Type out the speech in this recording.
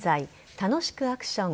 楽しくアクション！